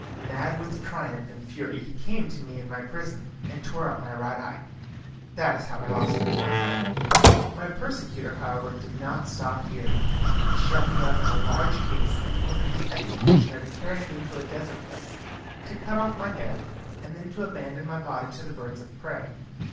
Mad with triumph and fury he came to me in my prison and tore out my right eye. That is how I lost it. My persecutor, however, did not stop here. He shut me up in a large case and ordered his executioner to carry me into a desert place, to cut off my head, and then to abandon my body to the birds of prey.